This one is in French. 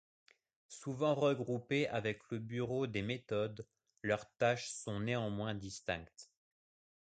Souvent regroupé avec le bureau des méthodes, leurs tâches sont néanmoins distinctes.